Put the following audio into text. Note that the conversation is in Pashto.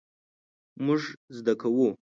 مونږ زده کوو